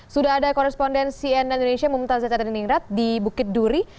sudah ada korespondensi nnnmu muntazat cateningrat di bukit duri